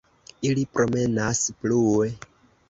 Ili promenas plue.